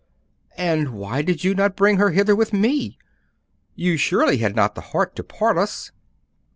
'And why did you not bring her hither with me? You surely had not the heart to part us?